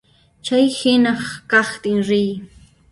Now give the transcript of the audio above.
Chay hina kaqtin riy.